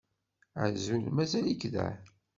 Azul! Mazal-ik da?